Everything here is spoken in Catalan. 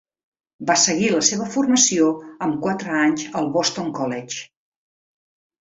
Va seguir la seva formació amb quatre anys al Boston College.